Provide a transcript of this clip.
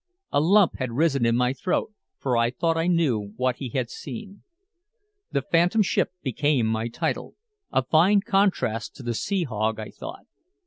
A lump had risen in my throat, for I thought I knew what he had seen. "The Phantom Ship" became my title. A fine contrast to the sea hog, I thought.